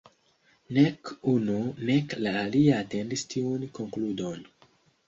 Nek unu, nek la alia atendis tiun konkludon.